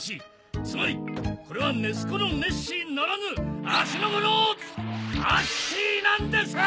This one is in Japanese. つまりこれはネス湖のネッシーならぬ芦ノ湖のアッシーなんです‼